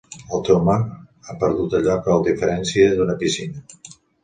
El teu mar ha perdut allò que el diferencia d'una piscina.